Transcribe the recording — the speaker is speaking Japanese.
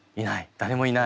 誰もいない。